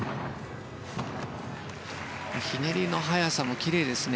ひねりの速さもきれいですね。